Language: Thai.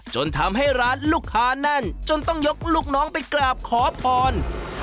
จนทำให้ร้านลูกค้าแน่นจนต้องยกลูกน้องไปกราบขอพร